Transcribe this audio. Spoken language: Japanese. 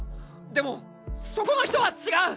でもそこの人は違う！